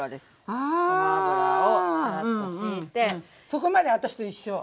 そこまで私と一緒。